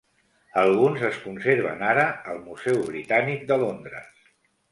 Alguns es conserven ara al Museu Britànic de Londres.